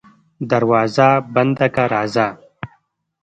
دروازه بنده که راځه.